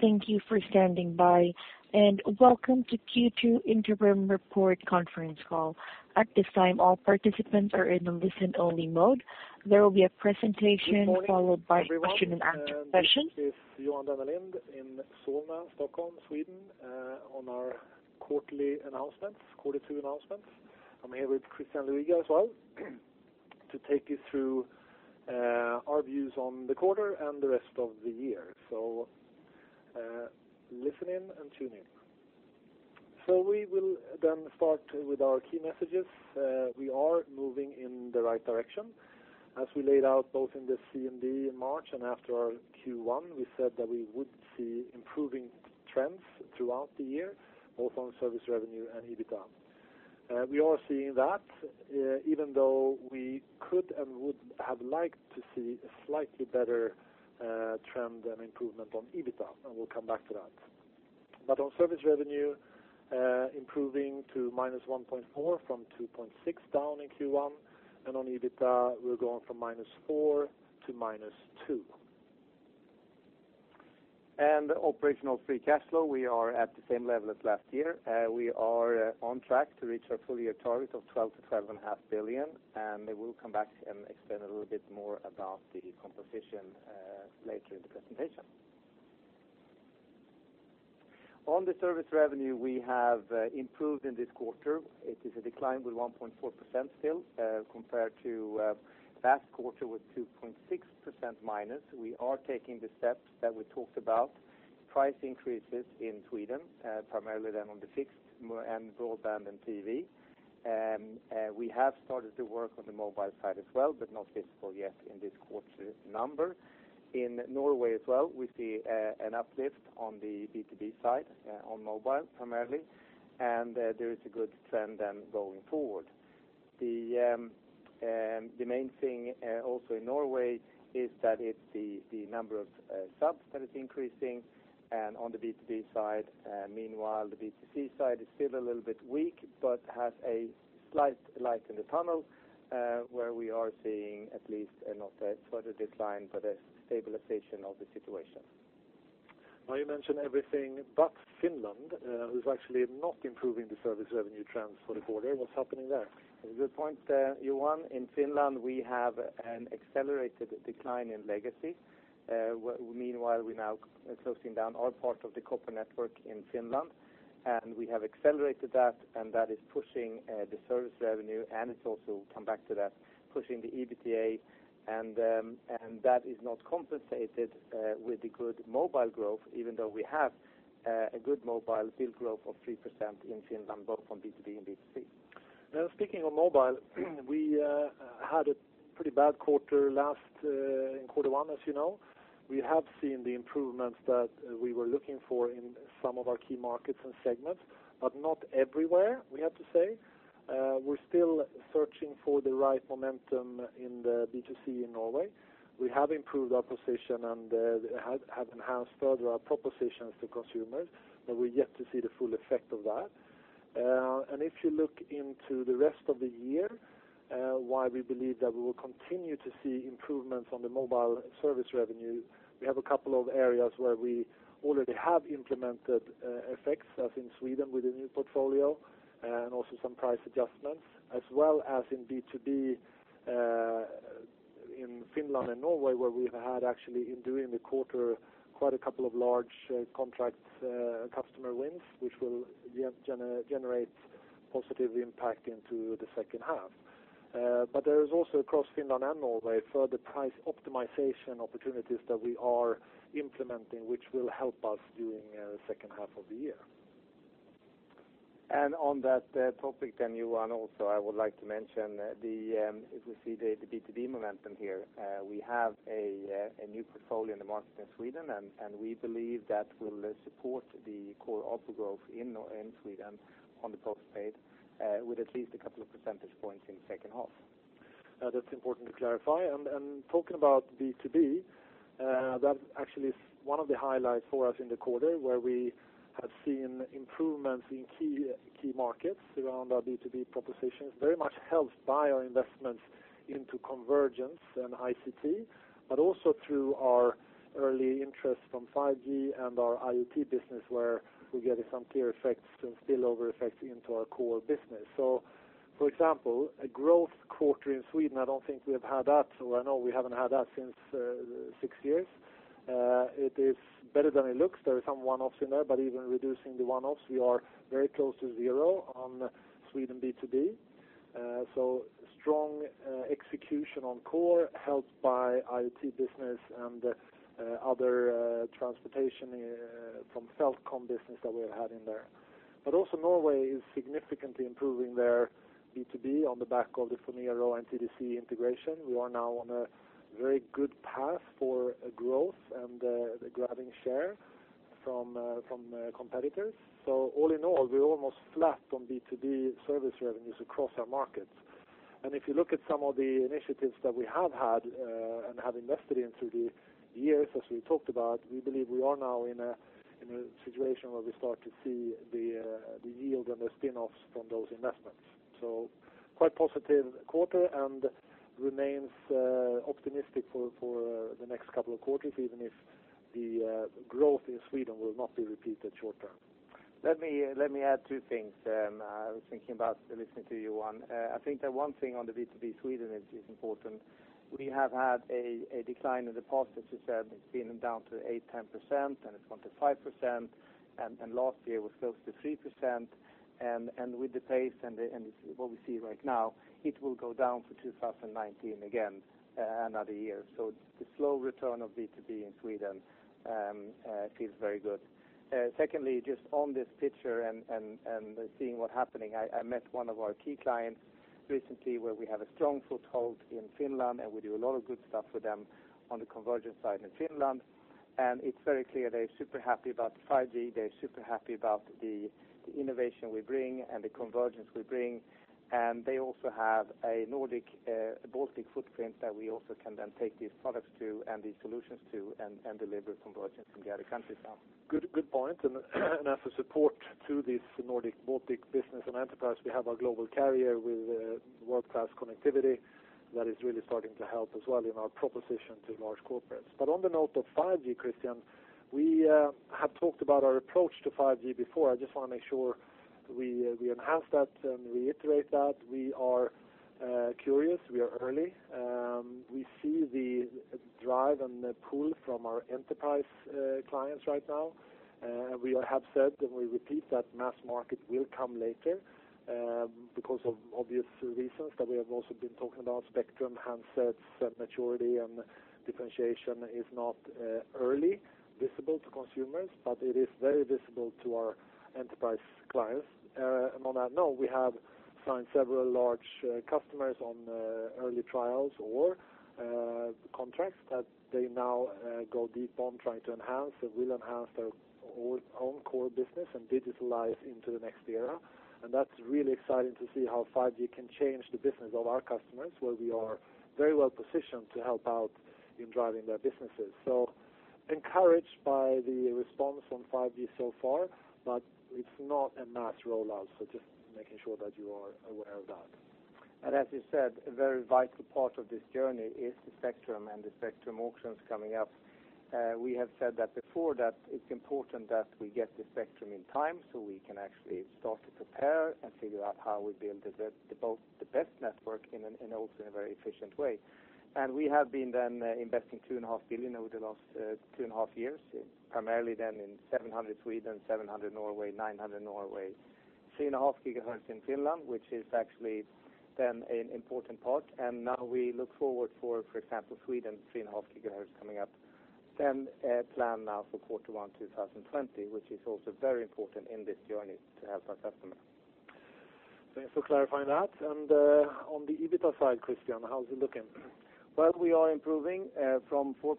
Thank you for standing by. Welcome to Q2 interim report conference call. At this time, all participants are in listen-only mode. There will be a presentation followed by a question and answer session. Good morning, everyone. This is Johan Dennelind in Solna, Stockholm, Sweden, on our quarterly announcements, quarter two announcements. I'm here with Christian Luiga as well to take you through our views on the quarter and the rest of the year. Listen in and tune in. We will then start with our key messages. We are moving in the right direction. As we laid out both in the CMD in March and after our Q1, we said that we would see improving trends throughout the year, both on service revenue and EBITDA. We are seeing that even though we could and would have liked to see a slightly better trend and improvement on EBITDA. We'll come back to that. On service revenue, improving to -1.4% from -2.6% down in Q1, and on EBITDA, we're going from -4% to -2%. Operational free cash flow, we are at the same level as last year. We are on track to reach our full-year target of 12 billion-12.5 billion. We will come back and explain a little bit more about the composition later in the presentation. On the service revenue, we have improved in this quarter. It is a decline with 1.4% still, compared to last quarter with -2.6%. We are taking the steps that we talked about. Price increases in Sweden, primarily then on the fixed and broadband and TV. We have started to work on the mobile side as well, but not visible yet in this quarter's number. In Norway as well, we see an uplift on the B2B side, on mobile primarily. There is a good trend then going forward. The main thing also in Norway is that it's the number of subs that is increasing and on the B2B side. Meanwhile, the B2C side is still a little bit weak, but has a slight light in the tunnel, where we are seeing at least not a further decline, but a stabilization of the situation. You mentioned everything, but Finland, who's actually not improving the service revenue trends for the quarter. What's happening there? Good point, Johan. In Finland, we have an accelerated decline in legacy. Meanwhile, we're now closing down our part of the copper network in Finland. We have accelerated that is pushing the service revenue. It's also, come back to that, pushing the EBITDA. That is not compensated with the good mobile growth, even though we have a good mobile bill growth of 3% in Finland, both on B2B and B2C. Speaking of mobile, we had a pretty bad quarter last in quarter one, as you know. We have seen the improvements that we were looking for in some of our key markets and segments, but not everywhere, we have to say. We're still searching for the right momentum in the B2C in Norway. We have improved our position and have enhanced further our propositions to consumers, but we're yet to see the full effect of that. If you look into the rest of the year, why we believe that we will continue to see improvements on the mobile service revenue. We have a couple of areas where we already have implemented effects, as in Sweden with the new portfolio and also some price adjustments, as well as in B2B in Finland and Norway, where we've had actually in doing the quarter, quite a couple of large contract customer wins, which will generate positive impact into the second half. There is also across Finland and Norway, further price optimization opportunities that we are implementing, which will help us during the second half of the year. On that topic, Johan, also, I would like to mention as we see the B2B momentum here. We have a new portfolio in the market in Sweden, and we believe that will support the core ARPU growth in Sweden on the postpaid, with at least a couple of percentage points in the second half. That's important to clarify. Talking about B2B, that actually is one of the highlights for us in the quarter, where we have seen improvements in key markets around our B2B propositions, very much helped by our investments into convergence and ICT, but also through our early interest from 5G and our IoT business, where we're getting some clear effects and spillover effects into our core business. For example, a growth quarter in Sweden, I don't think we have had that, or I know we haven't had that since six years. It is better than it looks. There are some one-offs in there, but even reducing the one-offs, we are very close to zero on Sweden B2B. Strong execution on core helped by IoT business and other transportation from Fältcom business that we're having there. Also Norway is significantly improving their B2B on the back of the Phonero and TDC integration. We are now on a very good path for growth and grabbing share from competitors. All in all, we're almost flat on B2B service revenues across our markets. If you look at some of the initiatives that we have had and have invested in through the years, as we talked about, we believe we are now in a situation where we start to see the yield and the spin-offs from those investments. So quite positive quarter and remains optimistic for the next couple of quarters, even if the growth in Sweden will not be repeated short term. Let me add two things. I was thinking about listening to you, Johan. I think that one thing on the B2B Sweden is important. We have had a decline in the past, as you said, it's been down to 8%, 10%, and it's gone to 5%, and last year was close to 3%. With the pace and what we see right now, it will go down for 2019 again another year. The slow return of B2B in Sweden feels very good. Secondly, just on this picture and seeing what's happening, I met one of our key clients recently where we have a strong foothold in Finland, and we do a lot of good stuff with them on the convergence side in Finland. It's very clear they're super happy about 5G, they're super happy about the innovation we bring and the convergence we bring. They also have a Nordic-Baltic footprint that we also can then take these products to, and these solutions to, and deliver convergence in the other countries now. Good point. As a support to this Nordic-Baltic business and enterprise, we have our global carrier with world-class connectivity that is really starting to help as well in our proposition to large corporates. On the note of 5G, Christian, we have talked about our approach to 5G before. I just want to make sure we enhance that and reiterate that. We are curious, we are early. We see the drive and the pull from our enterprise clients right now. We have said, and we repeat that mass market will come later, because of obvious reasons that we have also been talking about spectrum, handsets, maturity and differentiation is not early visible to consumers, but it is very visible to our enterprise clients. On that note, we have signed several large customers on early trials or contracts that they now go deep on trying to enhance, and will enhance their own core business and digitalize into the next era. That's really exciting to see how 5G can change the business of our customers, where we are very well positioned to help out in driving their businesses. Encouraged by the response on 5G so far, but it's not a mass rollout. Just making sure that you are aware of that. As you said, a very vital part of this journey is the spectrum and the spectrum auctions coming up. We have said that before, that it's important that we get the spectrum in time so we can actually start to prepare and figure out how we build the best network and also in a very efficient way. We have been then investing 2.5 billion over the last two and a half-years, primarily then in 700 million Sweden, 700 million Norway, 900 million Norway. 3.5 GHz in Finland, which is actually then an important part. Now we look forward for example, Sweden 3.5 GHz coming up, then plan now for quarter one 2020, which is also very important in this journey to help our customer. Thanks for clarifying that. On the EBITDA side, Christian, how's it looking? Well, we are improving from 4%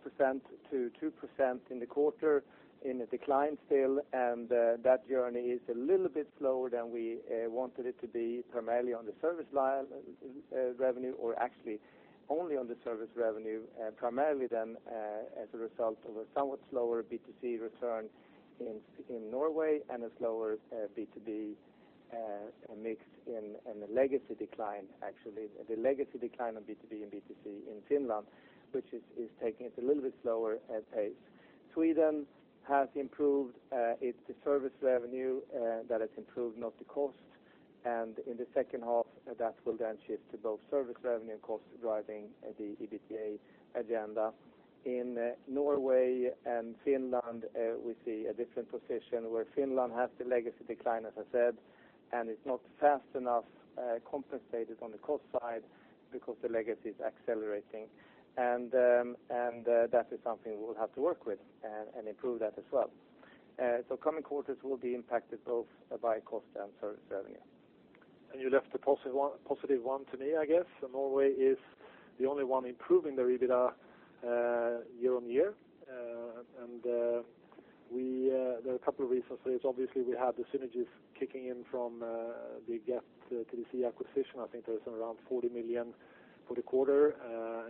to 2% in the quarter in a decline still, that journey is a little bit slower than we wanted it to be, primarily on the service revenue, or actually only on the service revenue. Primarily then as a result of a somewhat slower B2C return in Norway and a slower B2B mix in the legacy decline, actually. The legacy decline on B2B and B2C in Finland, which is taking it a little bit slower a pace. Sweden has improved its service revenue, that has improved, not the cost. In the second half, that will then shift to both service revenue and cost driving the EBITDA agenda. In Norway and Finland, we see a different position, where Finland has the legacy decline, as I said, it's not fast enough compensated on the cost side because the legacy is accelerating. That is something we'll have to work with and improve that as well. Coming quarters will be impacted both by cost and service revenue. You left the positive one to me, I guess. Norway is the only one improving their EBITDA year-on-year. There are a couple of reasons there. Obviously, we have the synergies kicking in from the Get TDC acquisition. I think that was around 40 million for the quarter,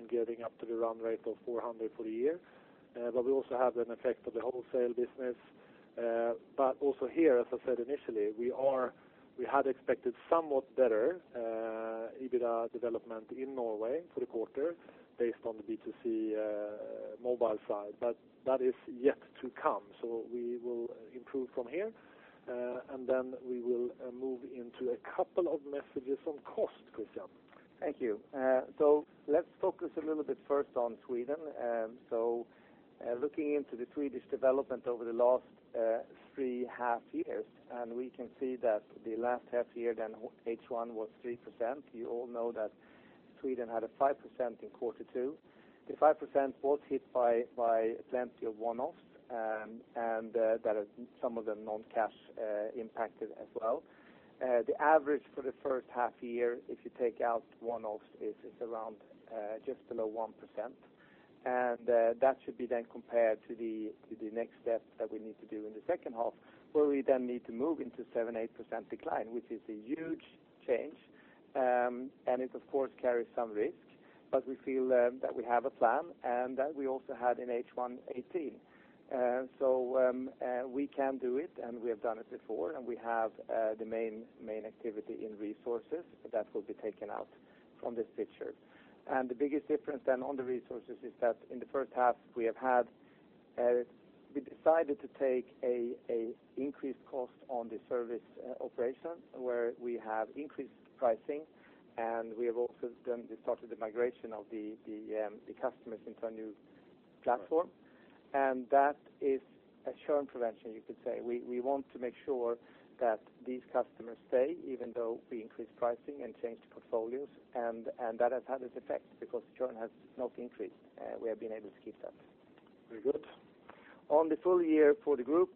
getting up to the run rate of 400 for the year. We also have an effect of the wholesale business. Also here, as I said initially, we had expected somewhat better EBITDA development in Norway for the quarter based on the B2C mobile side. That is yet to come. We will improve from here, then we will move into a couple of messages on cost, Christian. Thank you. Let's focus a little bit first on Sweden. Looking into the Swedish development over the last three half-years, we can see that the last half-year then H1 was 3%. You all know that Sweden had a 5% in quarter two. The 5% was hit by plenty of one-offs, and some of them non-cash impacted as well. The average for the first half-year, if you take out one-offs, is around just below 1%. That should be then compared to the next step that we need to do in the second half, where we then need to move into 7%-8% decline, which is a huge change. It of course carries some risk. But we feel that we have a plan and that we also had in H1 2018. We can do it, we have done it before, and we have the main activity in resources that will be taken out from this picture. The biggest difference then on the resources is that in the first half, we decided to take an increased cost on the service operation, where we have increased pricing, we have also then started the migration of the customers into a new platform. That is a churn prevention, you could say. We want to make sure that these customers stay even though we increase pricing and change the portfolios. That has had its effect because churn has not increased. We have been able to keep that. Very good. On the full-year for the group,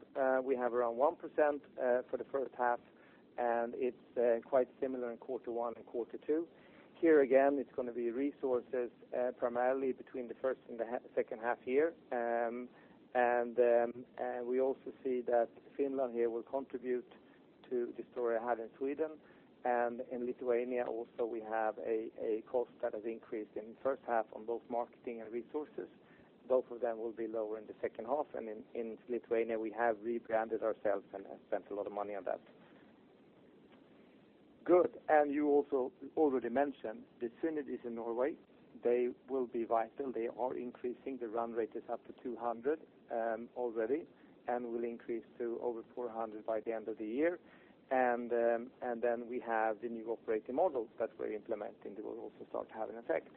we have around 1% for the first half, and it's quite similar in quarter one and quarter two. Here again, it's going to be resources primarily between the first and the second half-year. We also see that Finland here will contribute to the story I had in Sweden. In Lithuania also, we have a cost that has increased in the first half on both marketing and resources. Both of them will be lower in the second half. In Lithuania, we have rebranded ourselves and spent a lot of money on that. Good. You also already mentioned the synergies in Norway. They will be vital. They are increasing. The run rate is up to 200 million already and will increase to over 400 million by the end of the year. We have the new operating model that we're implementing that will also start to have an effect.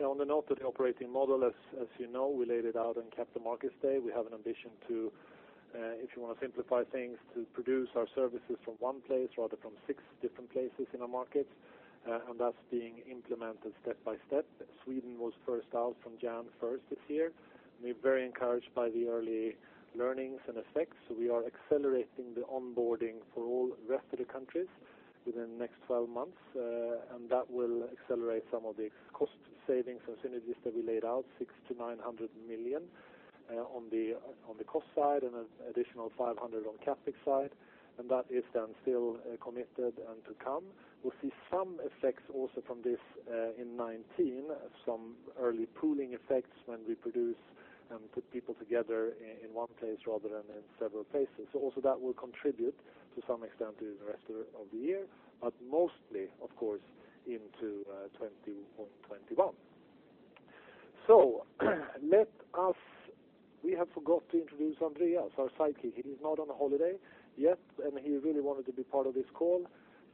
On the note of the operating model, as you know, we laid it out on Capital Markets Day. We have an ambition to, if you want to simplify things, to produce our services from one place rather from six different places in our markets. That's being implemented step by step. Sweden was first out from January 1st this year. We're very encouraged by the early learnings and effects. We are accelerating the onboarding for all rest of the countries within the next 12 months. That will accelerate some of the cost savings and synergies that we laid out, 600 million-900 million on the cost side and an additional 500 million on the CapEx side. That is then still committed and to come. We'll see some effects also from this in 2019, some early pooling effects when we produce and put people together in one place rather than in several places. Also that will contribute to some extent through the rest of the year, but mostly, of course, into 2020 or 2021. We have forgot to introduce Andreas, our sidekick. He is not on a holiday yet, and he really wanted to be part of this call.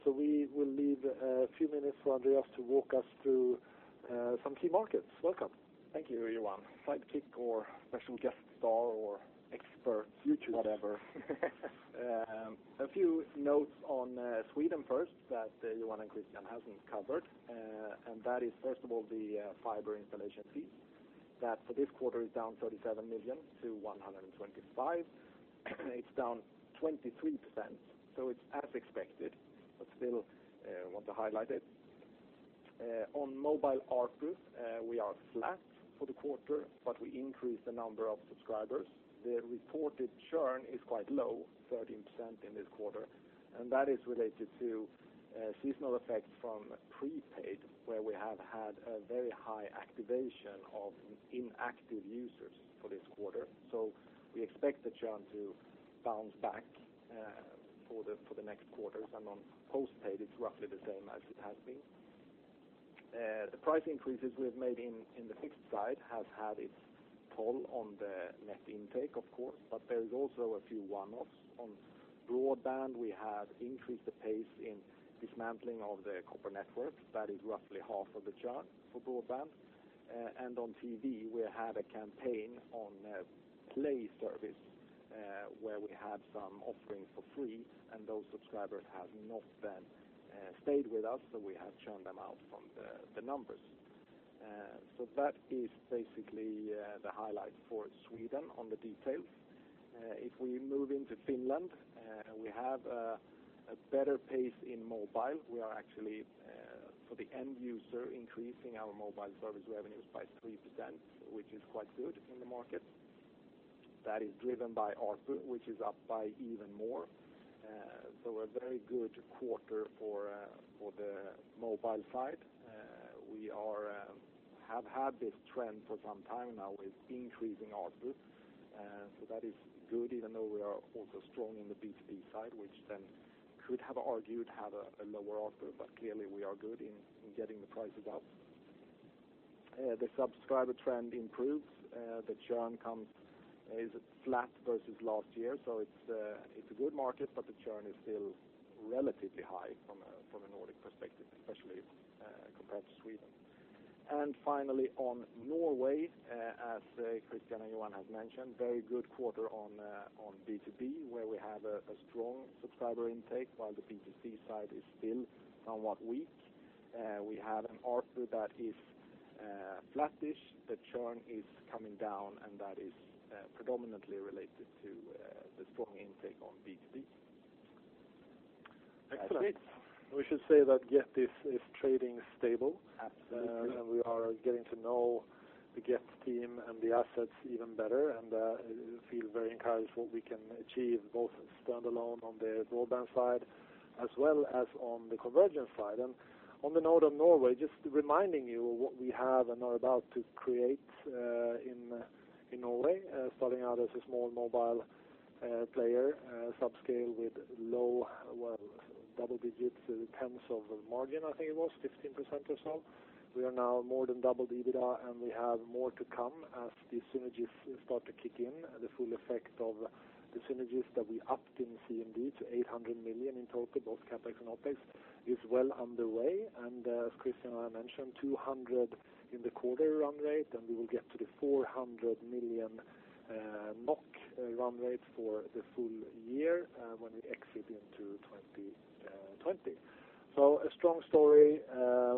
We will leave a few minutes for Andreas to walk us through some key markets. Welcome. Thank you, Johan. Sidekick or special guest star or expert. Future. A few notes on Sweden first that Johan and Christian haven't covered, and that is, first of all, the fiber installation fees. For this quarter is down 37 million to 125 million. It's down 23%. It's as expected, still want to highlight it. On mobile ARPU, we are flat for the quarter. We increased the number of subscribers. The reported churn is quite low, 13% in this quarter. That is related to seasonal effects from prepaid, where we have had a very high activation of inactive users for this quarter. We expect the churn to bounce back for the next quarters. On postpaid, it's roughly the same as it has been. The price increases we have made in the fixed side have had its toll on the net intake, of course. There is also a few one-offs. On broadband, we have increased the pace in dismantling of the copper network. That is roughly half of the churn for broadband. On TV, we had a campaign on Play service, where we had some offerings for free. Those subscribers have not then stayed with us. We have churned them out from the numbers. That is basically the highlight for Sweden on the details. If we move into Finland, we have a better pace in mobile. We are actually, for the end user, increasing our mobile service revenues by 3%, which is quite good in the market. That is driven by ARPU, which is up by even more. A very good quarter for the mobile side. We have had this trend for some time now with increasing ARPU. That is good even though we are also strong in the B2B side, which then could have argued had a lower ARPU. Clearly, we are good in getting the prices up. The subscriber trend improves. The churn is flat versus last year. It's a good market, the churn is still relatively high from a Nordic perspective, especially compared to Sweden. Finally, on Norway, as Christian and Johan have mentioned, very good quarter on B2B, where we have a strong subscriber intake while the B2C side is still somewhat weak. We have an ARPU that is flattish. The churn is coming down. That is predominantly related to the strong intake on B2B. Excellent. That's it. We should say that Get is trading stable. Absolutely. We are getting to know the Get team and the assets even better, and feel very encouraged what we can achieve both as standalone on the broadband side as well as on the convergence side. On the note of Norway, just reminding you of what we have and are about to create in Norway, starting out as a small mobile player, subscale with low double digits, tens of margin, I think it was 15% or so. We are now more than double the EBITDA, and we have more to come as the synergies start to kick in, the full effect of the synergies that we upped in CMD to 800 million in total, both CapEx and OpEx, is well underway. As Christian and I mentioned, 200 million in the quarter run rate, and we will get to the 400 million run rate for the full-year when we exit into 2020. A strong story,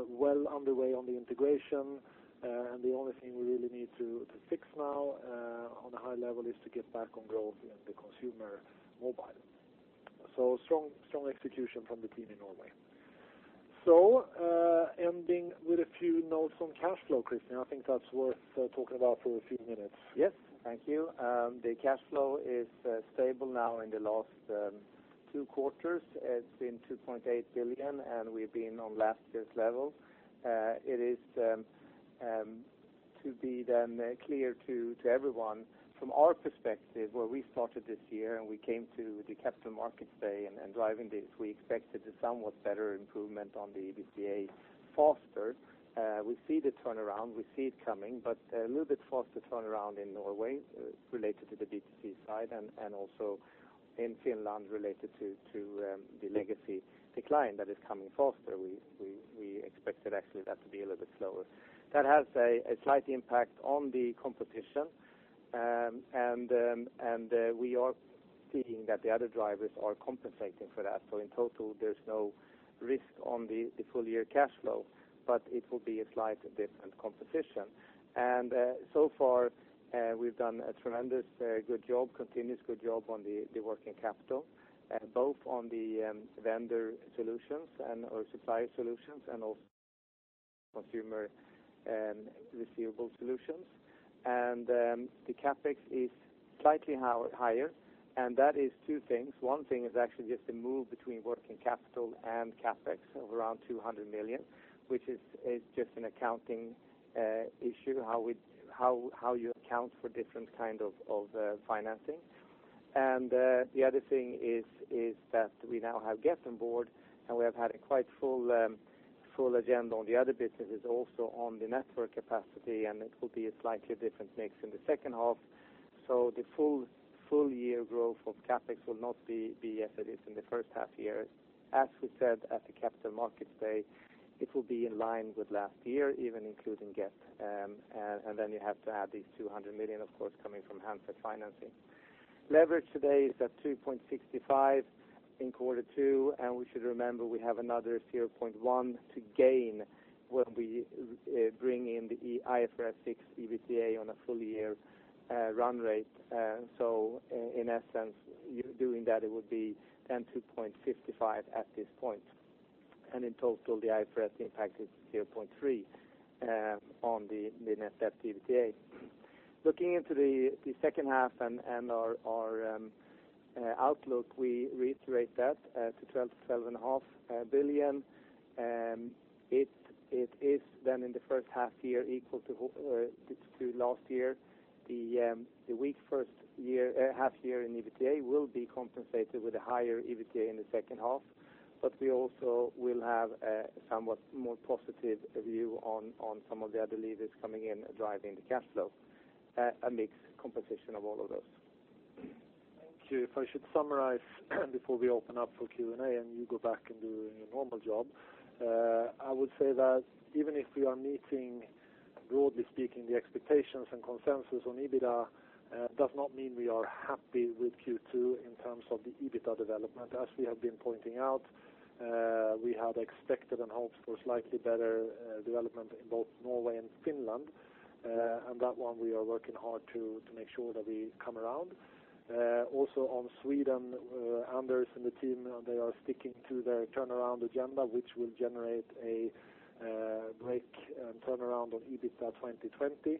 well underway on the integration. The only thing we really need to fix now on a high level is to get back on growth in the consumer mobile. Strong execution from the team in Norway. Ending with a few notes on cash flow, Christian, I think that's worth talking about for a few minutes. Yes. Thank you. The cash flow is stable now in the last two quarters. It's been 2.8 billion, and we've been on last year's level. It is to be then clear to everyone from our perspective, where we started this year, and we came to the Capital Markets Day and driving this, we expected a somewhat better improvement on the EBITDA faster. We see the turnaround, we see it coming, but a little bit faster turnaround in Norway related to the B2C side and also in Finland related to the legacy decline that is coming faster. We expected actually that to be a little bit slower. That has a slight impact on the competition. We are seeing that the other drivers are compensating for that. In total, there's no risk on the full-year cash flow, but it will be a slightly different competition. So far, we've done a tremendous good job, continuous good job on the working capital, both on the vendor solutions and our supplier solutions and also consumer receivable solutions. The CapEx is slightly higher, and that is two things. One thing is actually just the move between working capital and CapEx of around 200 million, which is just an accounting issue, how you account for different kind of financing. The other thing is that we now have Get on board, and we have had a quite full agenda on the other businesses also on the network capacity, and it will be a slightly different mix in the second half. The full-year growth of CapEx will not be as it is in the first half-year. As we said at the Capital Markets Day, it will be in line with last year, even including Get. Then you have to add these 200 million, of course, coming from handset financing. Leverage today is at 2.65 in quarter two, and we should remember we have another 0.1 to gain when we bring in the IFRS 16 EBITDA on a full-year run rate. In essence, doing that, it would be then 2.55 at this point. In total, the IFRS impact is 0.3 on the net debt EBITDA. Looking into the second half and our outlook, we reiterate that to 12 billion-12.5 billion. It is then in the first half-year equal to last year. The weak first half-year in EBITDA will be compensated with a higher EBITDA in the second half, we also will have a somewhat more positive view on some of the other levers coming in driving the cash flow, a mixed composition of all of those. Thank you. If I should summarize before we open up for Q&A and you go back and do your normal job, I would say that even if we are meeting, broadly speaking, the expectations and consensus on EBITDA, does not mean we are happy with Q2 in terms of the EBITDA development. As we have been pointing out, we had expected and hoped for slightly better development in both Norway and Finland. That one we are working hard to make sure that we come around. Also on Sweden, Anders and the team, they are sticking to their turnaround agenda, which will generate a break turnaround on EBITDA 2020,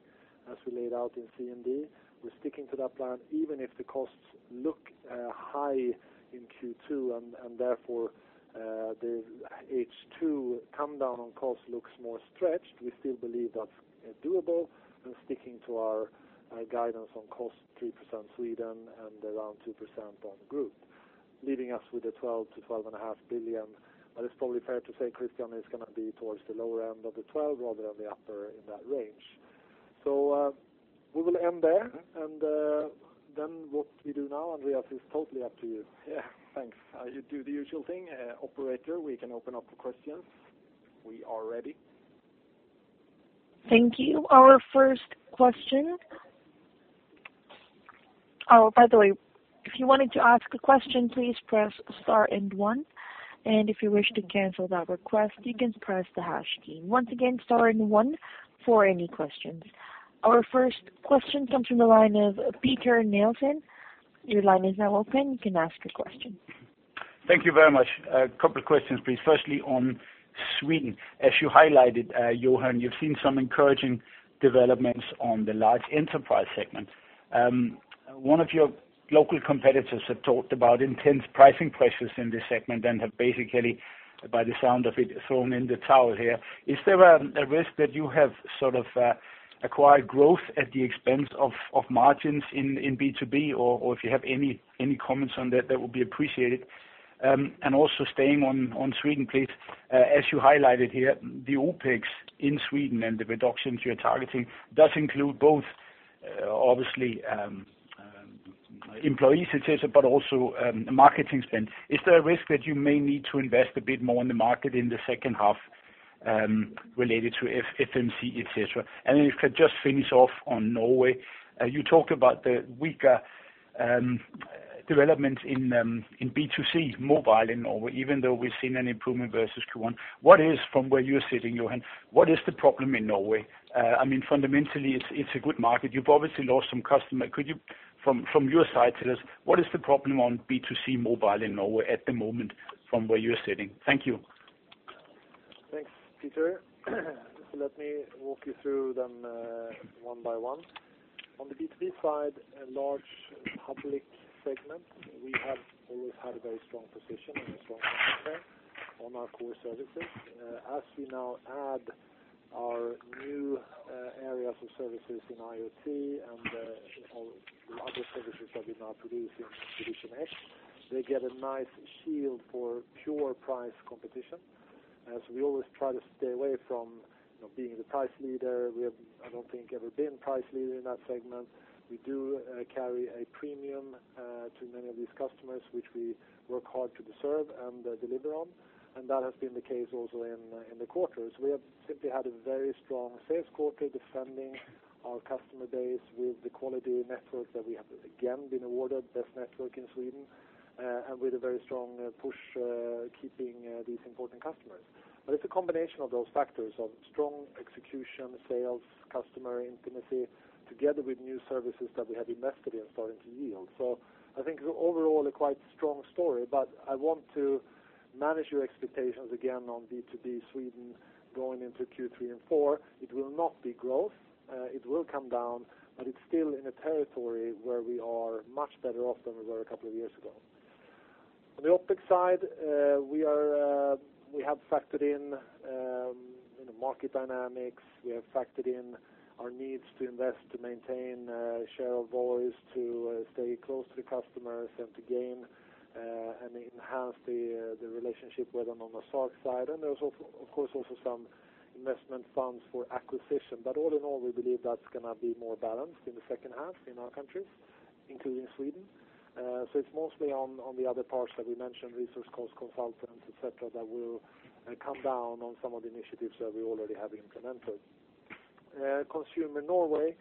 as we laid out in CMD. We're sticking to that plan, even if the costs look high in Q2, and therefore, the H2 come down on cost looks more stretched. We still believe that's doable and sticking to our guidance on cost 3% Sweden and around 2% on group, leaving us with the 12 billion-12.5 billion. It's probably fair to say, Christian, it's going to be towards the lower end of the 12 billion rather than the upper in that range. We will end there, then what we do now, Andreas, is totally up to you. Yeah. Thanks. You do the usual thing. Operator, we can open up for questions. We are ready. Thank you. Our first question. By the way, if you wanted to ask a question, please press star and one, and if you wish to cancel that request, you can press the hash key. Once again, star and one for any questions. Our first question comes from the line of Peter Nielsen. Your line is now open. You can ask a question. Thank you very much. A couple of questions, please. Firstly, on Sweden. As you highlighted, Johan, you've seen some encouraging developments on the large enterprise segment. One of your local competitors have talked about intense pricing pressures in this segment and have basically, by the sound of it, thrown in the towel here. Is there a risk that you have sort of acquired growth at the expense of margins in B2B, or if you have any comments on that would be appreciated. Also staying on Sweden, please, as you highlighted here, the OpEx in Sweden and the reductions you're targeting does include both obviously employee situation, but also marketing spend. Is there a risk that you may need to invest a bit more in the market in the second half related to FMC, et cetera? If you could just finish off on Norway. You talk about the weaker developments in B2C mobile in Norway, even though we've seen an improvement versus Q1. From where you're sitting, Johan, what is the problem in Norway? Fundamentally, it's a good market. You've obviously lost some customer. Could you, from your side, tell us what is the problem on B2C mobile in Norway at the moment from where you're sitting? Thank you. Thanks, Peter. Let me walk you through them one by one. On the B2B side, a large public segment. We have always had a very strong position and a strong market share on our core services. As we now add our new areas of services in IoT and all the other services that we now produce in Division X, they get a nice shield for pure price competition. As we always try to stay away from being the price leader, we have, I don't think, ever been price leader in that segment. We do carry a premium to many of these customers, which we work hard to deserve and deliver on, and that has been the case also in the quarter. We have simply had a very strong sales quarter defending our customer base with the quality network that we have again been awarded best network in Sweden, and with a very strong push, keeping these important customers. It's a combination of those factors, of strong execution, sales, customer intimacy, together with new services that we have invested in starting to yield. I think overall a quite strong story, but I want to manage your expectations again on B2B Sweden going into Q3 and Q4. It will not be growth. It will come down, but it's still in a territory where we are much better off than we were a couple of years ago. On the OpEx side, we have factored in the market dynamics. We have factored in our needs to invest, to maintain share of voice, to stay close to the customers, and to gain and enhance the relationship with them on the 5G side. There's of course also some investment funds for acquisition. All in all, we believe that's going to be more balanced in the second half in our countries, including Sweden. It's mostly on the other parts that we mentioned, resource cost consultants, et cetera, that will come down on some of the initiatives that we already have implemented. Consumer Norway.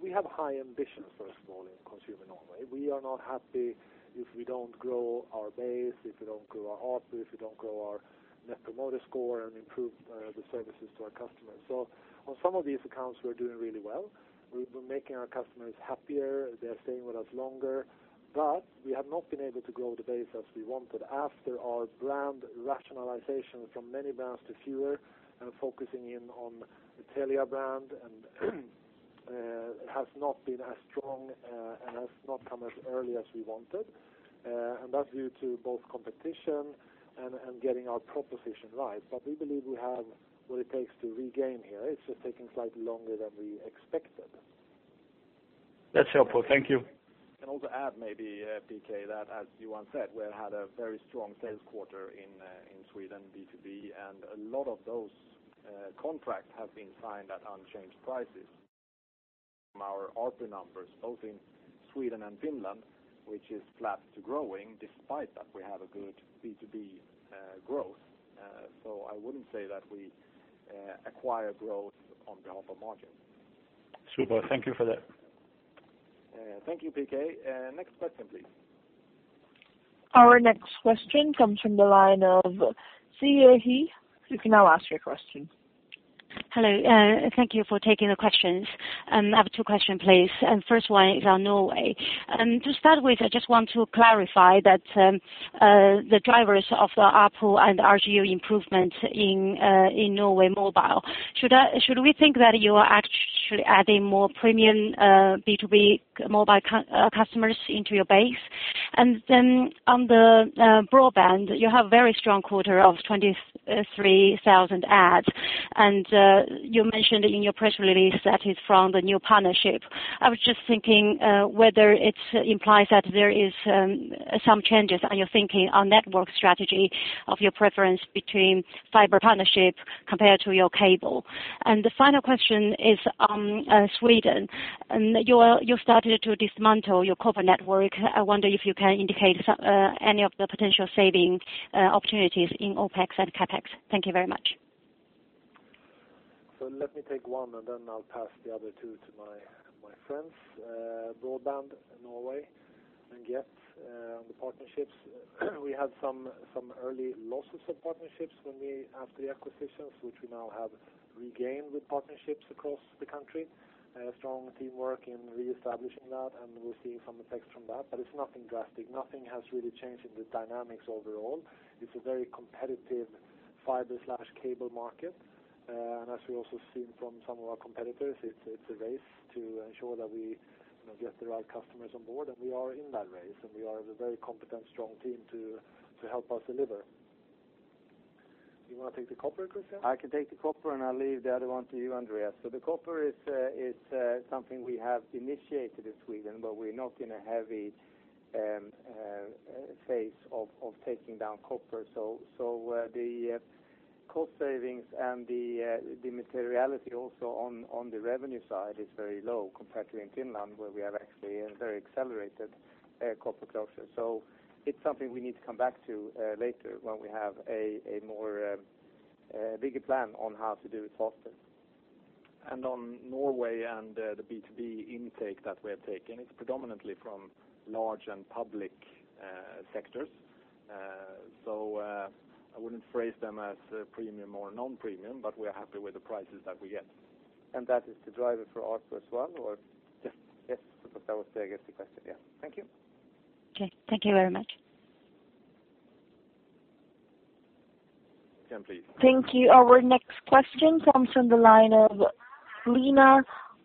We have high ambitions, first of all, in consumer Norway. We are not happy if we don't grow our base, if we don't grow our output, if we don't grow our net promoter score and improve the services to our customers. On some of these accounts, we're doing really well. We're making our customers happier. They're staying with us longer. We have not been able to grow the base as we wanted after our brand rationalization from many brands to fewer and focusing in on the Telia brand, and has not been as strong and has not come as early as we wanted. That's due to both competition and getting our proposition right. We believe we have what it takes to regain here. It's just taking slightly longer than we expected. That's helpful. Thank you. Can also add maybe, Peter, that as Johan said, we've had a very strong sales quarter in Sweden B2B, and a lot of those contracts have been signed at unchanged prices. From our ARPU numbers, both in Sweden and Finland, which is flat to growing, despite that we have a good B2B growth. I wouldn't say that we acquire growth on behalf of margin. Super. Thank you for that. Thank you, Peter. Next question, please. Our next question comes from the line of Siyi He. You can now ask your question. Hello. Thank you for taking the questions. I have two question, please. First one is on Norway. To start with, I just want to clarify that the drivers of the ARPU and RGU improvement in Norway Mobile. Should we think that you are actually adding more premium B2B mobile customers into your base? On the broadband, you have very strong quarter of 23,000 adds, and you mentioned in your press release that is from the new partnership. I was just thinking whether it implies that there is some changes on your thinking on network strategy of your preference between fiber partnership compared to your cable. The final question is on Sweden. You started to dismantle your copper network. I wonder if you can indicate any of the potential saving opportunities in OpEx and CapEx. Thank you very much. Let me take one, I'll pass the other two to my friends. Broadband Norway, the partnerships. We had some early losses of partnerships after the acquisitions, which we now have regained with partnerships across the country. Strong teamwork in reestablishing that, and we're seeing some effects from that. It's nothing drastic. Nothing has really changed in the dynamics overall. It's a very competitive fiber/cable market. As we also seen from some of our competitors, it's a race to ensure that we get the right customers on board, and we are in that race, and we are a very competent, strong team to help us deliver. You want to take the copper, Christian? I can take the copper and I'll leave the other one to you, Andreas. The copper is something we have initiated in Sweden, we're not in a heavy phase of taking down copper. The cost savings and the materiality also on the revenue side is very low compared to in Finland, where we have actually a very accelerated copper closure. It's something we need to come back to later when we have a bigger plan on how to do it faster. On Norway and the B2B intake that we are taking, it's predominantly from large and public sectors. I wouldn't phrase them as premium or non-premium, but we are happy with the prices that we get. That is the driver for us as well, or? Yes. That was, I guess, the question, yeah. Thank you. Okay. Thank you very much. Next question, please. Thank you. Our next question comes from the line of Lena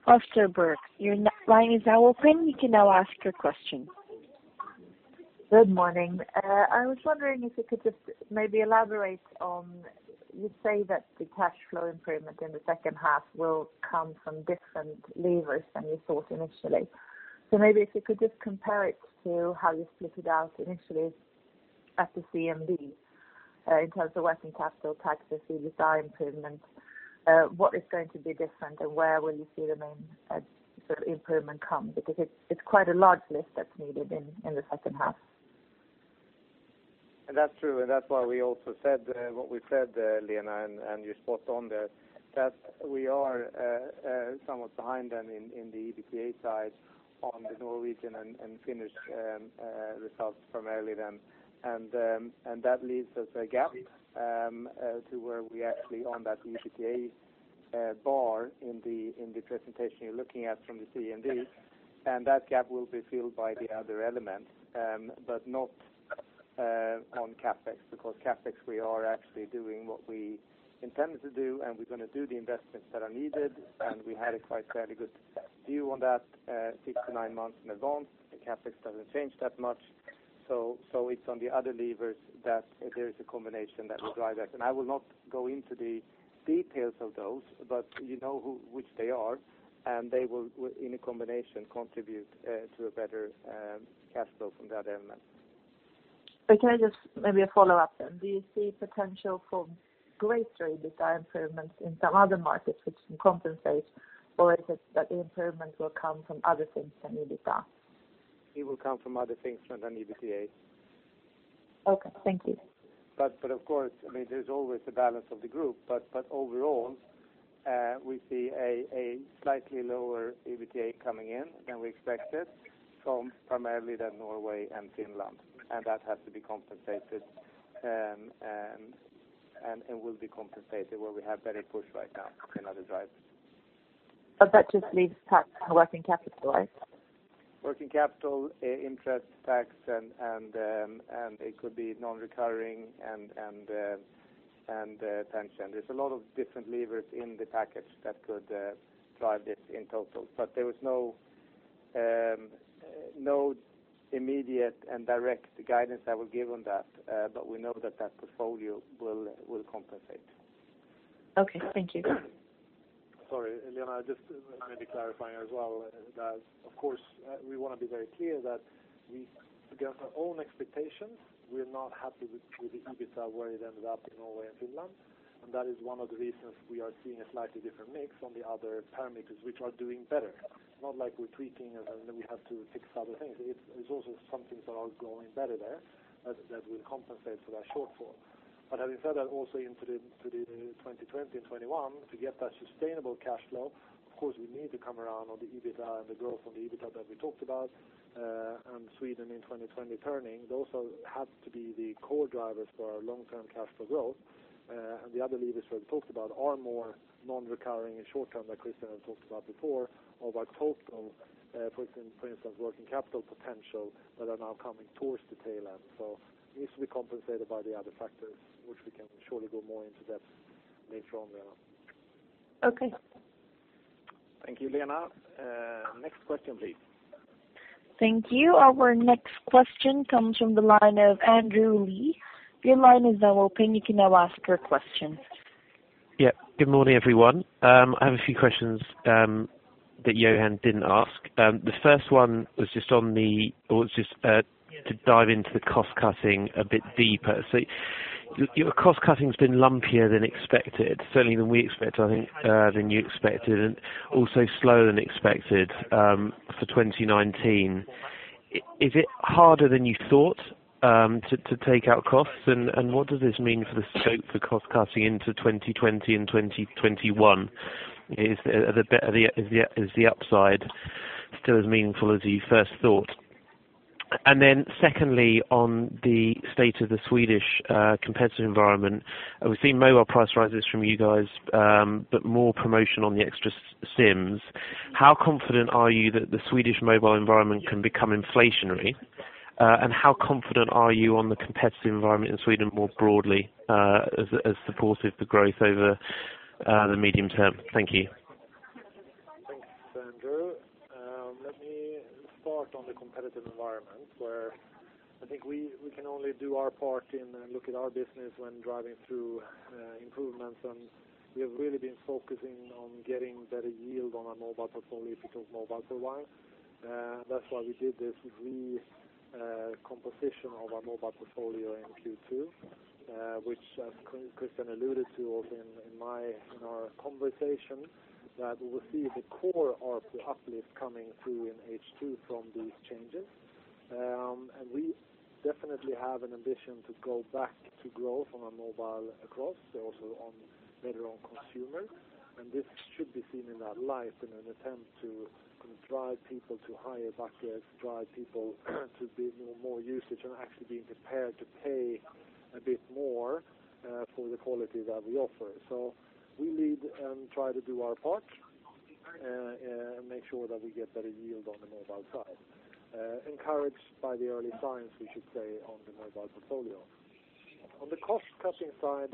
Österberg. Your line is now open. You can now ask your question. Good morning. I was wondering if you could just maybe elaborate on, you say that the cash flow improvement in the second half will come from different levers than you thought initially. Maybe if you could just compare it to how you split it out initially at the CMD, in terms of working capital taxes, EBITDA improvement, what is going to be different, and where will you see the main sort of improvement come? It's quite a large lift that's needed in the second half. That's true, and that's why we also said what we said, Lena, and you're spot on there. That we are somewhat behind them in the EBCA side on the Norwegian and Finnish results primarily then, and that leaves us a gap, to where we actually on that EBCA bar in the presentation you're looking at from the CMD, and that gap will be filled by the other elements. Not on CapEx, because CapEx, we are actually doing what we intended to do, and we're going to do the investments that are needed, and we had a quite fairly good view on that six to nine months in advance. The CapEx doesn't change that much. It's on the other levers that there is a combination that will drive that. I will not go into the details of those, but you know which they are, and they will, in a combination, contribute to a better cash flow from the other elements. Okay, just maybe a follow-up then. Do you see potential for greater EBITDA improvements in some other markets which can compensate, or is it that the improvements will come from other things than EBITDA? It will come from other things other than EBITDA. Okay. Thank you. Of course, there's always the balance of the group, but overall, we see a slightly lower EBCA coming in than we expected from primarily the Norway and Finland. That has to be compensated, and will be compensated where we have better push right now in other drivers. That just leaves tax and working capital, right? Working capital, interest, tax, and it could be non-recurring and pension. There's a lot of different levers in the package that could drive this in total, but there was no immediate and direct guidance I will give on that. We know that that portfolio will compensate. Okay. Thank you. Sorry, Lena, just maybe clarifying as well, that of course, we want to be very clear that we, against our own expectations, we're not happy with the EBITDA where it ended up in Norway and Finland, and that is one of the reasons we are seeing a slightly different mix on the other parameters which are doing better. Not like we're tweaking and then we have to fix other things. There's also some things that are going better there that will compensate for that shortfall. Having said that, also into 2020 and 2021, to get that sustainable cash flow, of course, we need to come around on the EBITDA and the growth on the EBITDA that we talked about, and Sweden in 2020 turning. Those have to be the core drivers for our long-term cash flow growth. The other levers we've talked about are more non-recurring and short-term, like Christian had talked about before, or by total, for instance, working capital potential that are now coming towards the tail end. It needs to be compensated by the other factors, which we can surely go more into depth later on, Lena. Okay. Thank you, Lena. Next question, please. Thank you. Our next question comes from the line of Andrew Lee. Your line is now open. You can now ask your question. Yeah. Good morning, everyone. I have a few questions that Johan didn't ask. The first one was to dive into the cost-cutting a bit deeper. Your cost-cutting has been lumpier than expected, certainly than we expected, I think, than you expected, and also slower than expected, for 2019. Is it harder than you thought to take out costs? What does this mean for the scope for cost-cutting into 2020 and 2021? Is the upside still as meaningful as you first thought? Secondly, on the state of the Swedish competitive environment, we've seen mobile price rises from you guys, but more promotion on the extra SIMs. How confident are you that the Swedish mobile environment can become inflationary? How confident are you on the competitive environment in Sweden more broadly as supportive for growth over the medium term? Thank you. Thanks, Andrew. Let me start on the competitive environment, where I think we can only do our part in looking at our business when driving through improvements. We have really been focusing on getting better yield on our mobile portfolio. If we talk mobile for a while. That's why we did this recomposition of our mobile portfolio in Q2, which Christian alluded to also in our conversation, that we will see the core ARPU uplift coming through in H2 from these changes. We definitely have an ambition to go back to growth on our mobile across, also better on consumers. This should be seen in our life in an attempt to drive people to higher buckets, drive people to give more usage, and actually being prepared to pay a bit more for the quality that we offer. We lead and try to do our part, and make sure that we get better yield on the mobile side. Encouraged by the early signs, we should say, on the mobile portfolio. On the cost-cutting side,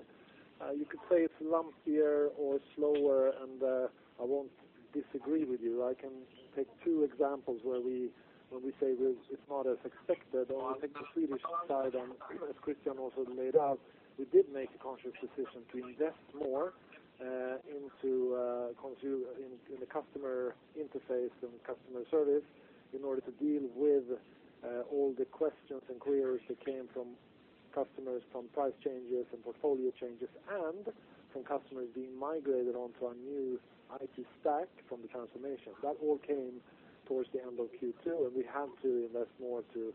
you could say it's lumpier or slower, and I won't disagree with you. I can take two examples where we say it's not as expected. On the Swedish side, as Christian also laid out, we did make a conscious decision to invest more into the customer interface and customer service in order to deal with all the questions and queries that came from customers from price changes and portfolio changes, and from customers being migrated onto our new IT stack from the transformation. That all came towards the end of Q2, and we had to invest more to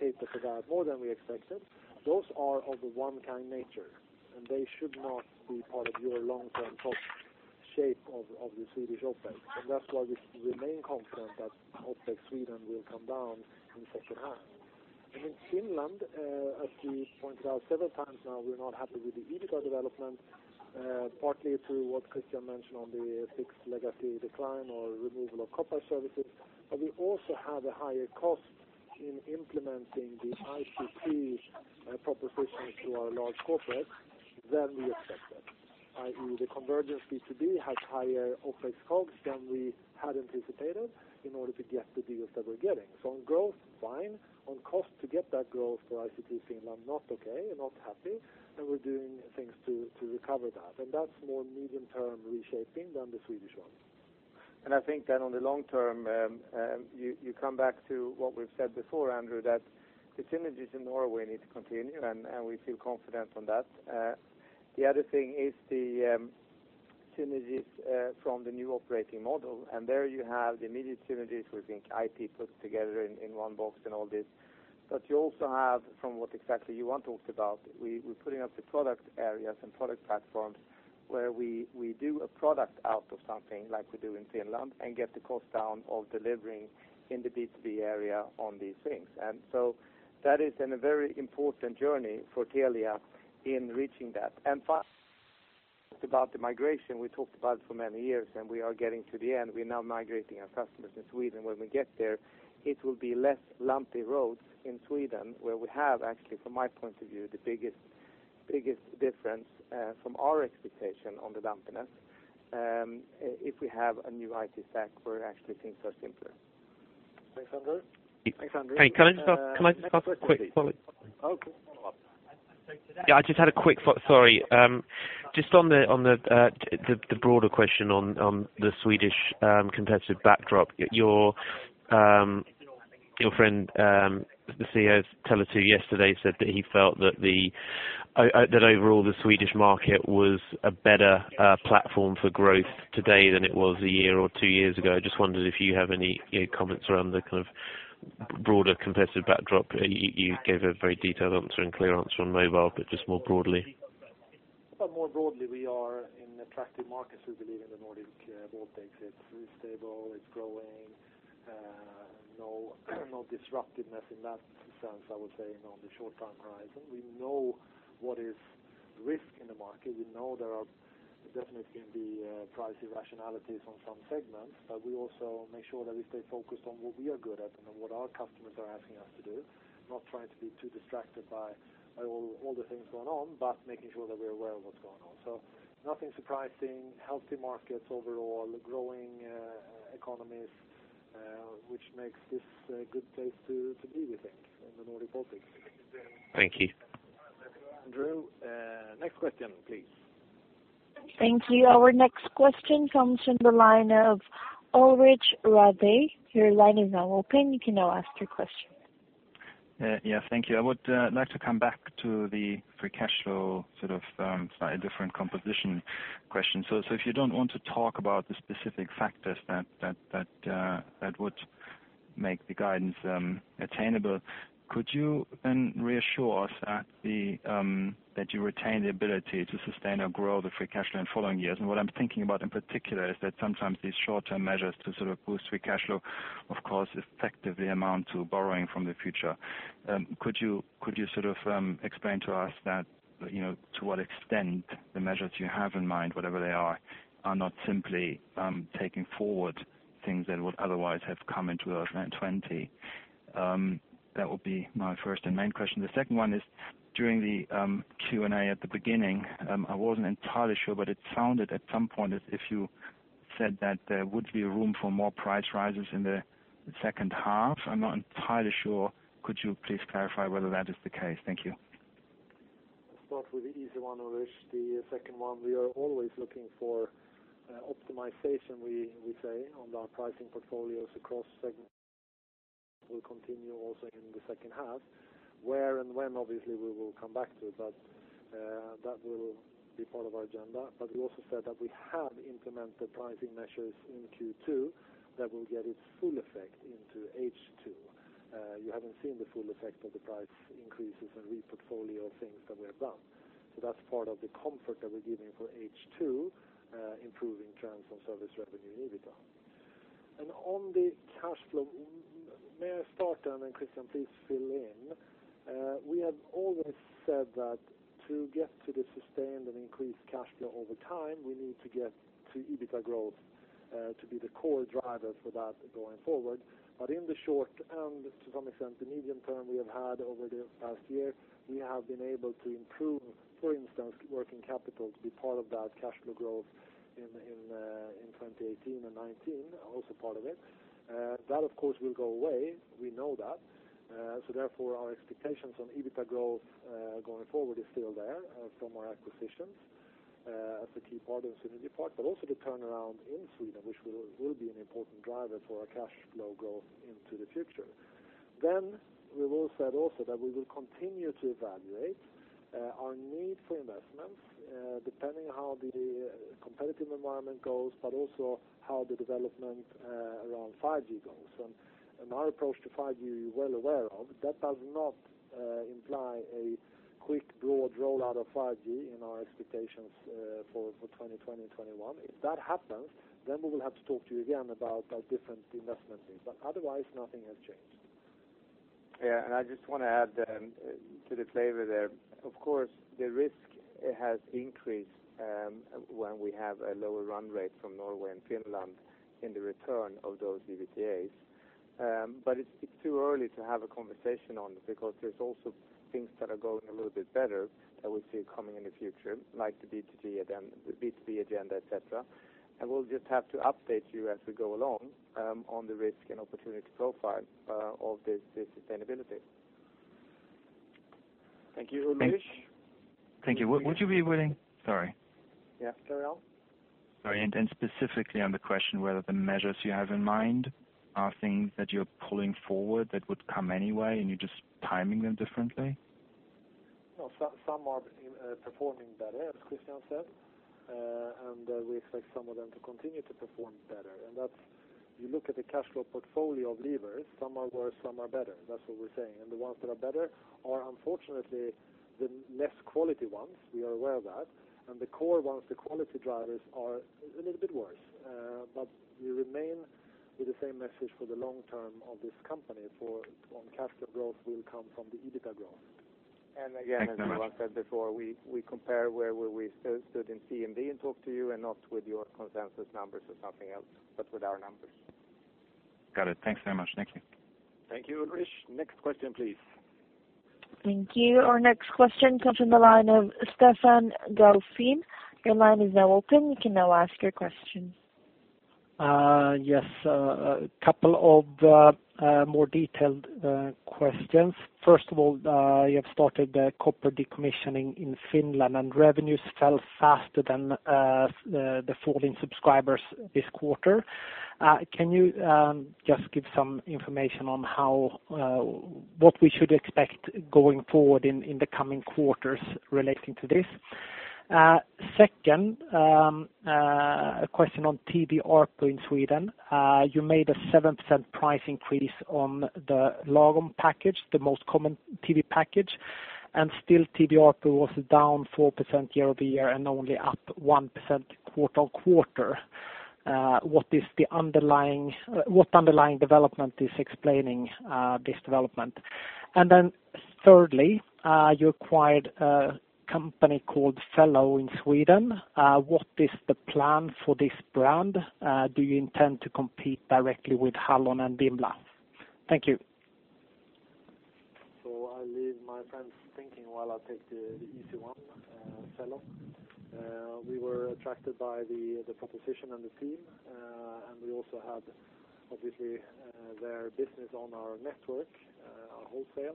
cater for that, more than we expected. Those are of a one-time nature, and they should not be part of your long-term talk shape of the Swedish OpEx. That's why we remain confident that OpEx Sweden will come down in second half. In Finland, as we pointed out several times now, we're not happy with the EBITDA development, partly to what Christian mentioned on the fixed legacy decline or removal of copper services. We also have a higher cost in implementing the ICT proposition to our large corporates than we expected, i.e. the convergence B2B has higher OpEx costs than we had anticipated in order to get the deals that we're getting. On growth, fine. On cost to get that growth for ICT Finland, not okay and not happy, and we're doing things to recover that. That's more medium-term reshaping than the Swedish one. I think that in the long term, you come back to what we've said before, Andrew, that the synergies in Norway need to continue, and we feel confident on that. The other thing is the synergies from the new operating model, and there you have the immediate synergies within IT put together in one box and all this. You also have from what exactly Johan talked about, we're putting up the product areas and product platforms where we do a product out of something like we do in Finland and get the cost down of delivering in the B2B area on these things. That is in a very important journey for Telia in reaching that. Finally, about the migration, we talked about it for many years, and we are getting to the end. We are now migrating our customers in Sweden. When we get there, it will be less lumpy roads in Sweden, where we have actually, from my point of view, the biggest difference from our expectation on the lumpiness. If we have a new IT stack where actually things are simpler. Thanks, Andrew. Can I just ask a quick follow-up? Okay. Yeah, I just had a quick follow-up. Sorry. Just on the broader question on the Swedish competitive backdrop. Your friend, the CEO of Tele2 yesterday said that he felt that overall the Swedish market was a better platform for growth today than it was a year or two years ago. Just wondered if you have any comments around the broader competitive backdrop. You gave a very detailed answer and clear answer on mobile, but just more broadly. More broadly, we are in attractive markets. We believe in the Nordic-Baltics. It's stable, it's growing. No disruptiveness in that sense, I would say, on the short-term horizon. We know what is risk in the market. We know there are definitely going to be price irrationalities on some segments, but we also make sure that we stay focused on what we are good at and what our customers are asking us to do, not trying to be too distracted by all the things going on, but making sure that we're aware of what's going on. Nothing surprising. Healthy markets overall, growing economies, which makes this a good place to be, we think, in the Nordic-Baltics. Thank you. Andrew. Next question, please. Thank you. Our next question comes from the line of Ulrich Rathe. Your line is now open. You can now ask your question. Yeah, thank you. I would like to come back to the free cash flow, sort of, different composition question. If you don't want to talk about the specific factors that would make the guidance attainable, could you then reassure us that you retain the ability to sustain or grow the free cash flow in following years? What I'm thinking about in particular is that sometimes these short-term measures to sort of boost free cash flow, of course, effectively amount to borrowing from the future. Could you sort of explain to us to what extent the measures you have in mind, whatever they are not simply taking forward things that would otherwise have come into 2020? That will be my first and main question. The second one is, during the Q&A at the beginning, I wasn't entirely sure, but it sounded at some point as if you said that there would be room for more price rises in the second half. I'm not entirely sure. Could you please clarify whether that is the case? Thank you. Start with the easy one, Ulrich. The second one, we are always looking for optimization, we say, on our pricing portfolios across segments will continue also in the second half. Where and when, obviously, we will come back to, that will be part of our agenda. We also said that we have implemented pricing measures in Q2 that will get its full effect into H2. You haven't seen the full effect of the price increases and re-portfolio things that we have done. That's part of the comfort that we're giving for H2, improving trends on service revenue and EBITDA. On the cash flow, may I start and then Christian, please fill in. We have always said that to get to the sustained and increased cash flow over time, we need to get to EBITDA growth, to be the core driver for that going forward. In the short and to some extent, the medium term we have had over the past year, we have been able to improve, for instance, working capital to be part of that cash flow growth in 2018 and 2019, also part of it. That, of course, will go away. We know that. Therefore, our expectations on EBITDA growth, going forward, is still there from our acquisitions as a key part and synergy part, but also the turnaround in Sweden, which will be an important driver for our cash flow growth into the future. We will set also that we will continue to evaluate our need for investments, depending how the competitive environment goes, but also how the development around 5G goes. My approach to 5G, you are well aware of, that does not imply a quick broad rollout of 5G in our expectations for 2020 and 2021. If that happens, then we will have to talk to you again about our different investment needs. Otherwise, nothing has changed. I just want to add to the flavor there. Of course, the risk has increased when we have a lower run rate from Norway and Finland in the return of those EBITDAs. It's too early to have a conversation on it because there's also things that are going a little bit better that we see coming in the future, like the B2B agenda, et cetera. We'll just have to update you as we go along, on the risk and opportunity profile of this sustainability. Thank you, Ulrich. Thank you. Would you be willing-- sorry. Yeah, carry on. Sorry, specifically on the question whether the measures you have in mind are things that you're pulling forward that would come anyway, and you're just timing them differently? No, some are performing better, as Christian said. We expect some of them to continue to perform better. That's, you look at the cash flow portfolio of levers, some are worse, some are better. That's what we're saying. The ones that are better are unfortunately the less quality ones. We are aware of that. The core ones, the quality drivers are a little bit worse. We remain with the same message for the long term of this company, on cash flow growth will come from the EBITDA growth. Thank you very much. Again, as Johan said before, we compare where we stood in CMD and talk to you and not with your consensus numbers or something else, but with our numbers. Got it. Thanks very much. Thank you. Thank you, Ulrich. Next question, please. Thank you. Our next question comes from the line of Stefan Gauffin. Your line is now open. You can now ask your question. Yes. A couple of more detailed questions. First of all, you have started the copper decommissioning in Finland, and revenues fell faster than the falling subscribers this quarter. Can you just give some information on what we should expect going forward in the coming quarters relating to this? Second, a question on TV ARPU in Sweden. You made a 7% price increase on the Lagom package, the most common TV package, and still TV ARPU was down 4% year-over-year and only up 1% quarter-on-quarter. What underlying development is explaining this development? Then thirdly, you acquired a company called Fello in Sweden. What is the plan for this brand? Do you intend to compete directly with Hallon and Vimla? Thank you. I leave my friends thinking while I take the easy one, Fello. We were attracted by the proposition and the team, we also had, obviously, their business on our network, our wholesale.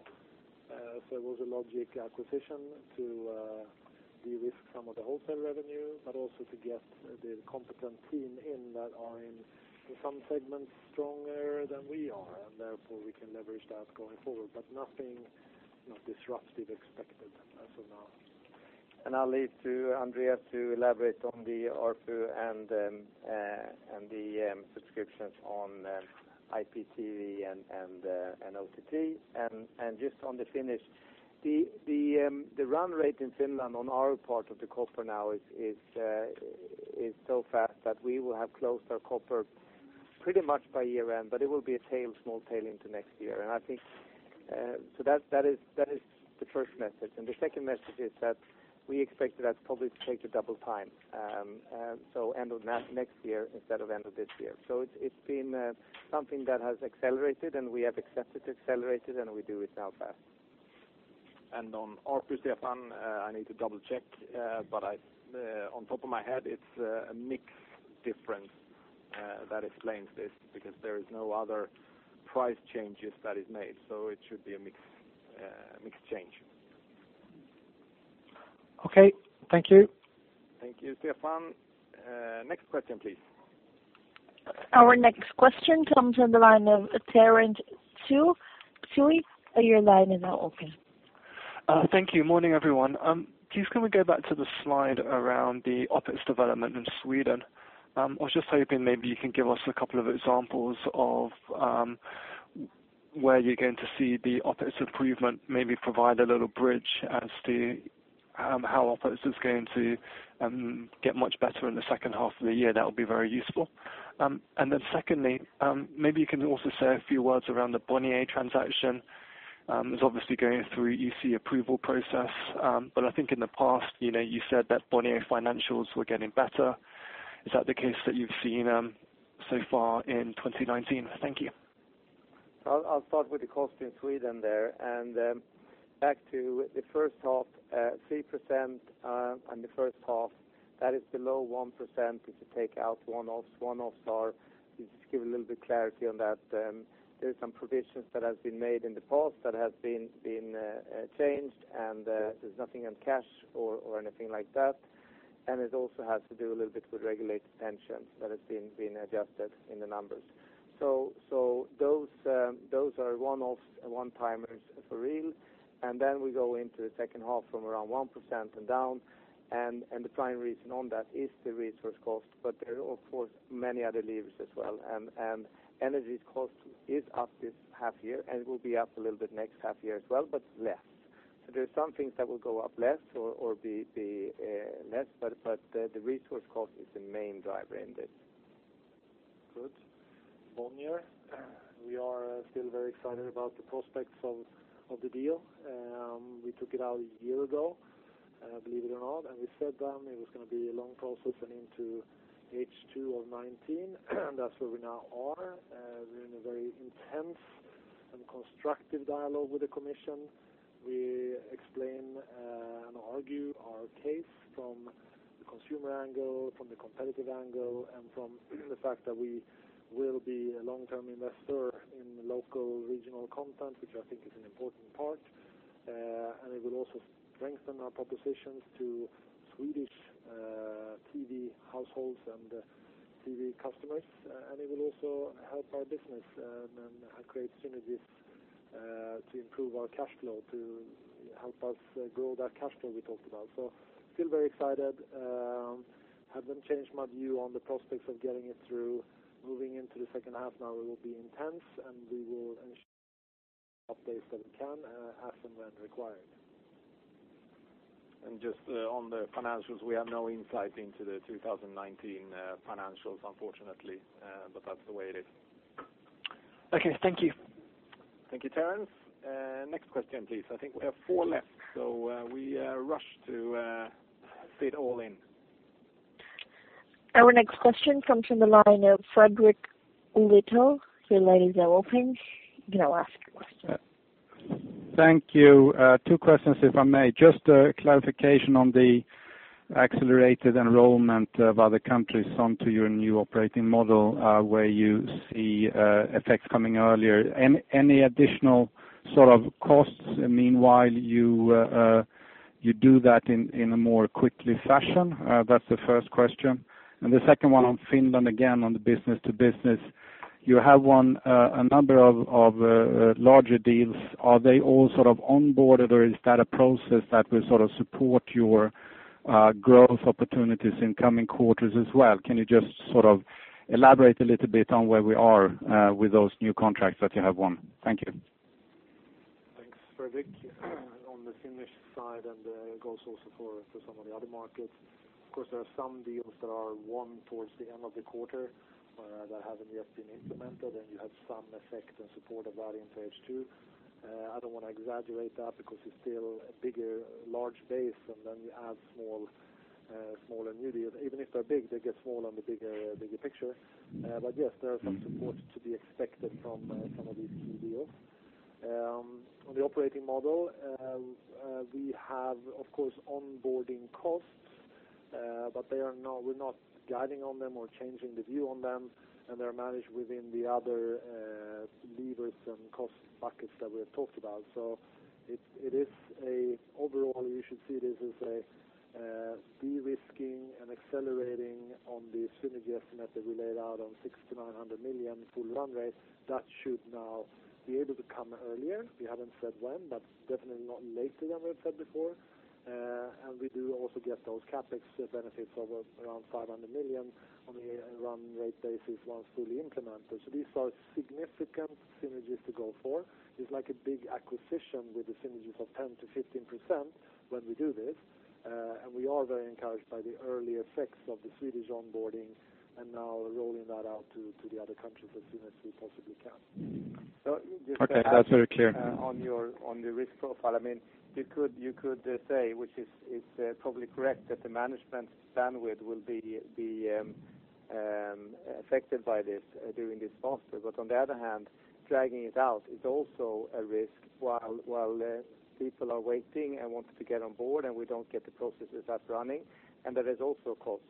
It was a logic acquisition to de-risk some of the wholesale revenue, also to get the competent team in that are in some segments stronger than we are, therefore we can leverage that going forward. Nothing disruptive expected as of now. I'll leave to Andreas to elaborate on the ARPU and the subscriptions on IPTV and OTT. Just on the finish, the run rate in Finland on our part of the copper now is so fast that we will have closed our copper pretty much by year-end, it will be a small tail into next year. That is the first message. The second message is that we expect that probably to take double the time. End of next year instead of end of this year. It's been something that has accelerated, we have accepted it accelerated, we do it now fast. On ARPUs, Stefan, I need to double-check, but on top of my head, it's a mix difference that explains this because there is no other price changes that is made. It should be a mix change. Okay. Thank you. Thank you, Stefan. Next question, please. Our next question comes from the line of Terence Tsui. Your line is now open. Thank you. Morning, everyone. Please, can we go back to the slide around the OpEx development in Sweden? I was just hoping maybe you can give us a couple of examples of where you're going to see the OpEx improvement, maybe provide a little bridge as to how OpEx is going to get much better in the second half of the year. That would be very useful. Secondly, maybe you can also say a few words around the Bonnier transaction. It's obviously going through EC approval process. I think in the past, you said that Bonnier financials were getting better. Is that the case that you've seen so far in 2019? Thank you. I'll start with the cost in Sweden there, back to the first half, 3% in the first half. That is below 1% if you take out one-offs. One-offs are, just to give a little bit clarity on that, there are some provisions that have been made in the past that have been changed, and there's nothing in cash or anything like that. It also has to do a little bit with regulated tensions that have been adjusted in the numbers. Those are one-offs and one-timers for real. We go into the second half from around 1% and down, the prime reason on that is the resource cost, but there are, of course, many other levers as well. Energy cost is up this half-year and will be up a little bit next half-year as well, but less. There are some things that will go up less or be less, but the resource cost is the main driver in this. Good. Bonnier, we are still very excited about the prospects of the deal. We took it out a year ago, believe it or not, we said then it was going to be a long process and into H2 of 2019, and that's where we now are. We're in a very intense and constructive dialogue with the Commission. We explain and argue our case from the consumer angle, from the competitive angle, and from the fact that we will be a long-term investor in local regional content, which I think is an important part. It will also strengthen our propositions to Swedish TV households and TV customers, it will also help our business and create synergies to improve our cash flow, to help us grow that cash flow we talked about. Still very excited. Haven't changed my view on the prospects of getting it through. Moving into the second half now, it will be intense, and we will ensure updates that we can, as and when required. Just on the financials, we have no insight into the 2019 financials, unfortunately. That's the way it is. Okay. Thank you. Thank you, Terence. Next question, please. I think we have four left, so we rush to fit all in. Our next question comes from the line of Fredrik Lithell. Your line is now open. You can now ask your question. Thank you. Two questions, if I may. Just a clarification on the accelerated enrollment of other countries onto your new operating model, where you see effects coming earlier. Any additional sort of costs meanwhile you do that in a more quickly fashion? That's the first question. The second one on Finland, again, on the B2B. You have won a number of larger deals. Are they all sort of onboarded, or is that a process that will support your growth opportunities in coming quarters as well? Can you just elaborate a little bit on where we are with those new contracts that you have won? Thank you. Thanks, Fredrik. On the Finnish side, it goes also for some of the other markets, of course, there are some deals that are won towards the end of the quarter that haven't yet been implemented, you have some effect and support of that into H2. I don't want to exaggerate that because it's still a bigger, large base, then you add smaller new deals. Even if they're big, they get small on the bigger picture. Yes, there are some supports to be expected from some of these key deals. On the operating model, we have, of course, onboarding costs, but we're not guiding on them or changing the view on them, they're managed within the other levers and cost buckets that we have talked about. Overall, you should see this as a de-risking and accelerating on the synergy estimate that we laid out on 600 million-900 million full run rate. That should now be able to come earlier. We haven't said when, but definitely not later than we have said before. We do also get those CapEx benefits of around 500 million on a run rate basis once fully implemented. These are significant synergies to go for. It's like a big acquisition with the synergies of 10%-15% when we do this, we are very encouraged by the early effects of the Swedish onboarding and now rolling that out to the other countries as soon as we possibly can. Okay. That's very clear. On your risk profile, you could say, which is probably correct, that the management bandwidth will be affected by this, doing this faster. On the other hand, dragging it out is also a risk while people are waiting and wanting to get on board, and we don't get the processes up running, and that is also a cost.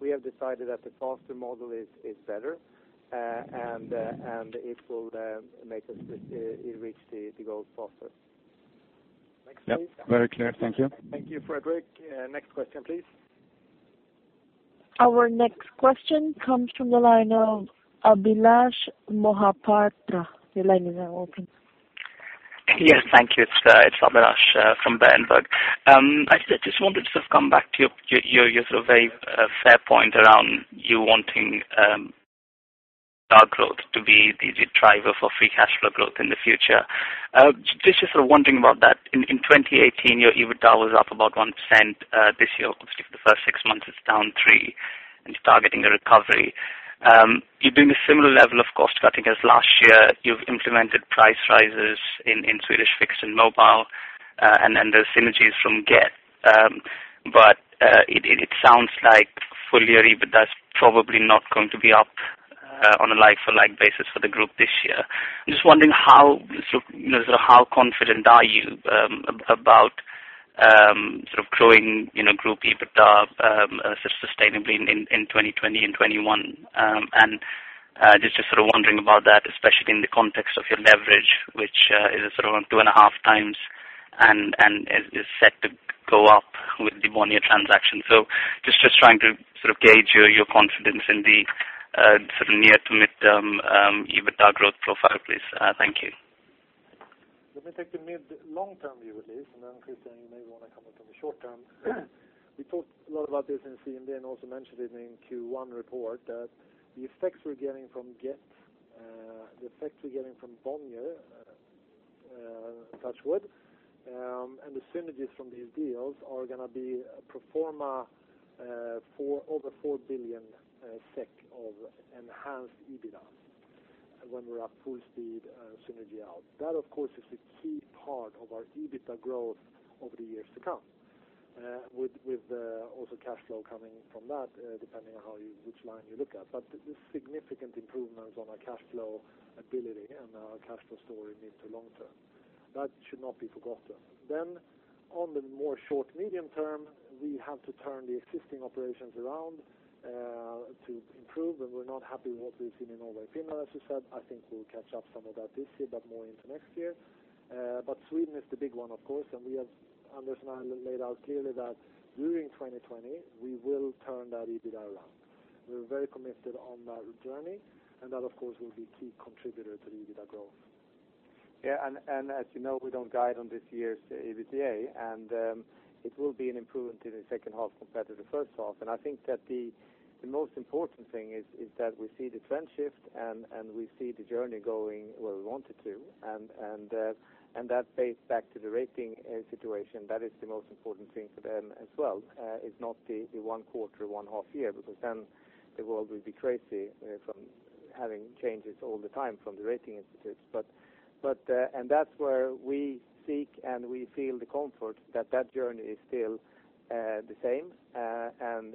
We have decided that the faster model is better, and it will make us reach the goal faster. Next, please. Yep. Very clear. Thank you. Thank you, Fredrik. Next question, please. Our next question comes from the line of Abhilash Mohapatra. Your line is now open. Yes. Thank you. It is Abhilash from Berenberg. I just wanted to sort of come back to your sort of very fair point around you wanting our growth to be the driver for free cash flow growth in the future. Just sort of wondering about that. In 2018, your EBITDA was up about 1%. This year, obviously, for the first six months it is down three, and you are targeting a recovery. You are doing a similar level of cost cutting as last year. You have implemented price rises in Swedish fixed and mobile, and the synergies from Get. It sounds like full-year EBITDA is probably not going to be up on a like-for-like basis for the group this year. I am just wondering how confident are you about sort of growing group EBITDA sort of sustainably in 2020 and 2021? Just sort of wondering about that, especially in the context of your leverage, which is sort of on 2.5x and is set to go up with the Bonnier transaction. Just trying to sort of gauge your confidence in the sort of near to midterm EBITDA growth profile, please. Thank you. Let me take the mid long-term view at least, and then Christian, you may want to comment on the short-term. We talked a lot about this in CMD and also mentioned it in Q1 report that the effects we're getting from Get, the effects we're getting from Bonnier, touch wood, and the synergies from these deals are going to be pro forma over 4 billion SEK of enhanced EBITDA when we're at full speed synergy out. That of course is a key part of our EBITDA growth over the years to come. With also cash flow coming from that, depending on which line you look at. There's significant improvements on our cash flow ability and our cash flow story mid to long-term. That should not be forgotten. On the more short, medium term, we have to turn the existing operations around, to improve, and we're not happy with what we've seen in Norway, Finland, as you said. I think we'll catch up some of that this year, but more into next year. Sweden is the big one, of course, and we have, Anders and I laid out clearly that during 2020, we will turn that EBITDA around. We're very committed on that journey and that of course will be key contributor to the EBITDA growth. As you know, we don't guide on this year's EBITDA. It will be an improvement in the second half compared to the first half. I think that the most important thing is that we see the trend shift and we see the journey going where we want it to. That dates back to the rating situation. That is the most important thing for them as well. It's not the one quarter or one half-year, because then the world would be crazy from having changes all the time from the rating institutes. That's where we seek and we feel the comfort that that journey is still the same, and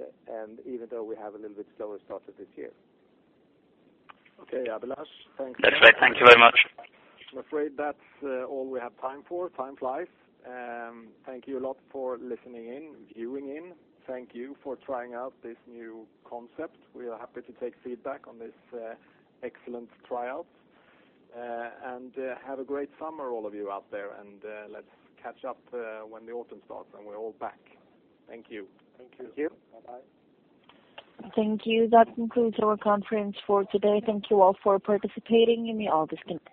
even though we have a little bit slower start of this year. Okay. Abhilash. Thank you. That's right. Thank you very much. I'm afraid that's all we have time for. Time flies. Thank you a lot for listening in, viewing in. Thank you for trying out this new concept. We are happy to take feedback on this excellent trial. Have a great summer all of you out there, and let's catch up when the autumn starts and we're all back. Thank you. Thank you. Thank you. Bye-bye. Thank you. That concludes our conference for today. Thank you all for participating, and you all disconnect.